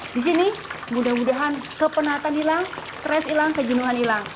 di sini mudah mudahan kepenatan hilang stres hilang kejenuhan hilang